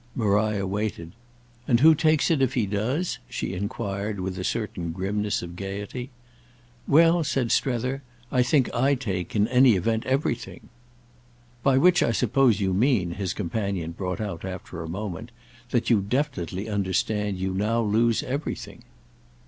Maria waited. "And who takes it if he does?" she enquired with a certain grimness of gaiety. "Well," said Strether, "I think I take, in any event, everything." "By which I suppose you mean," his companion brought out after a moment, "that you definitely understand you now lose everything."